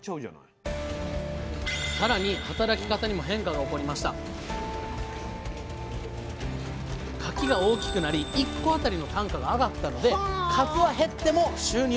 更に働き方にも変化が起こりましたかきが大きくなり１個あたりの単価が上がったので数は減っても収入は安定。